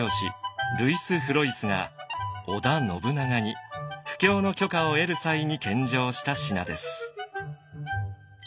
ルイス・フロイスが織田信長に布教の許可を得る際に献上した品です。